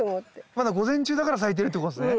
まだ午前中だから咲いてるってことですね。